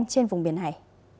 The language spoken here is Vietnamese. trên vùng biển hải